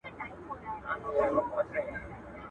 o خپل په خپلو درنېږي.